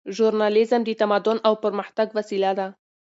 ژورنالیزم د تمدن او پرمختګ وسیله ده.